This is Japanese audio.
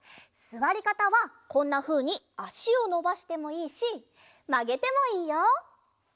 すわりかたはこんなふうにあしをのばしてもいいしまげてもいいよ！